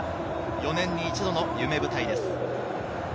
４年に一度の夢舞台です。